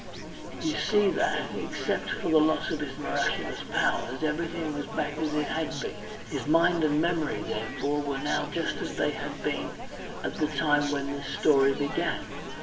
You see that, except for the loss of his miraculous powers, everything was back as it had been, his mind and memory therefore were now just as they had been at the time when this story began.